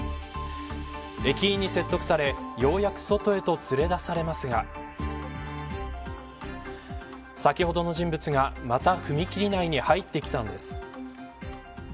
駅員に説得されようやく外へと連れ出されますが先ほどの人物がまた踏切内に入ってきたのです。